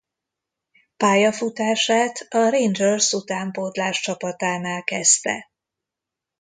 Pályafutását a Rangers utánpótlás csapatánál kezdte.